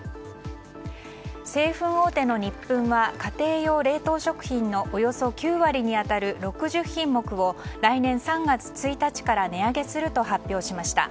製粉大手のニップンは家庭用冷凍食品のおよそ９割に当たる６０品目を来年３月１日から値上げすると発表しました。